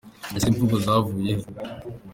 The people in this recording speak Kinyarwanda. Ese izi mvugo zavuye he ?.